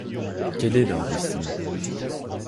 Quelle est leur destinée?